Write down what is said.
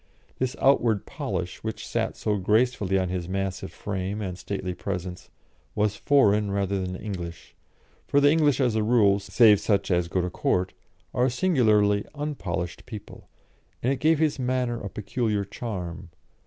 This outward polish, which sat so gracefully on his massive frame and stately presence, was foreign rather than English for the English, as a rule, save such as go to Court, are a singularly unpolished people and it gave his manner a peculiar charm.